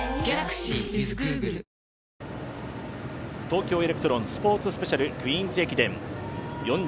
東京エレクトロンスポーツスペシャルクイーンズ駅伝。４２．１９５